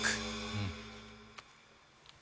うん！